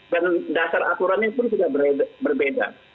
dan dasar aturannya pun sudah berbeda